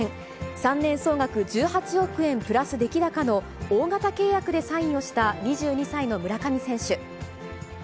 ３年総額１８億円プラス出来高の大型契約でサインをした２２歳の村上選手。